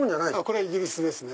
これはイギリスですね。